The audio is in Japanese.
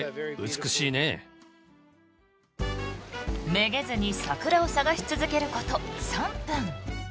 めげずに桜を探し続けること３分。